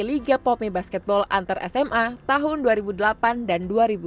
liga pome basketball antar sma tahun dua ribu delapan dan dua ribu sembilan